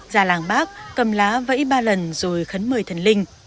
gia làng bác cầm lá vẫy ba lần rồi khấn mời thần linh